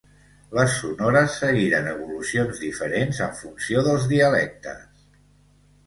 Les sonores seguiren evolucions diferents en funció dels dialectes.